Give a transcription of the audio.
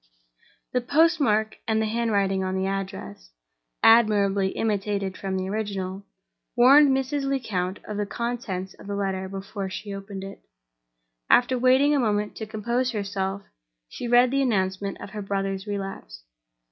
The postmark and the handwriting on the address (admirably imitated from the original) warned Mrs. Lecount of the contents of the letter before she opened it. After waiting a moment to compose herself, she read the announcement of her brother's relapse.